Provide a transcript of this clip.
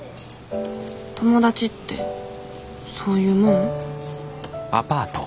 友達ってそういうもん？